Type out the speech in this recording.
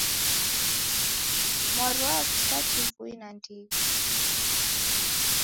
Mwarwa skati vui nandighi